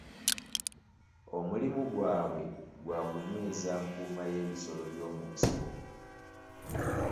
Omulimi gwabwe gwa kunyweza nkuuma y'ebisolo by'omu nsiko.